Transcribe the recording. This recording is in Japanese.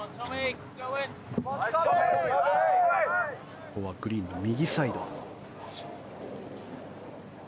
ここはグリーンの右サイド。